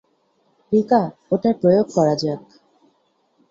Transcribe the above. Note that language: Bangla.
রিকা, ওটার প্রয়োগ করা যাক।